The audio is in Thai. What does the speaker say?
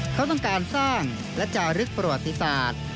เขาต้องการสร้างและจารึกประวัติศาสตร์